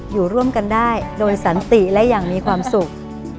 อยู่ร่วมกันได้โดยสันติและอย่างมีความสุข